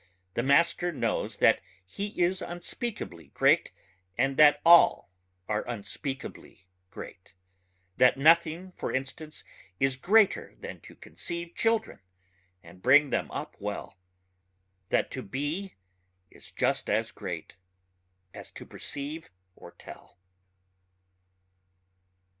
The master knows that he is unspeakably great and that all are unspeakably great ... that nothing for instance is greater than to conceive children and bring them up well ... that to be is just as great as to perceive or tell.